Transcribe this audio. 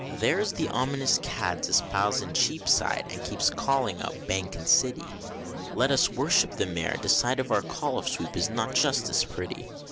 There's the omnibus cads as plies in Cheapside, and keeps calling out Bank and City; Let his Worship, the Mayor, decide if our call of Sweep is not just as pretty.